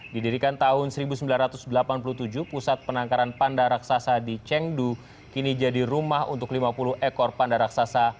didirikan tahun seribu sembilan ratus delapan puluh tujuh pusat penangkaran panda raksasa di chengdu kini jadi rumah untuk lima puluh ekor panda raksasa